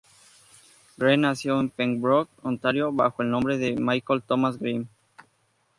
Green nació en Pembroke, Ontario, bajo el nombre de Michael Thomas Green.